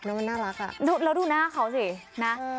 แล้วดูหน้าเขาสินะ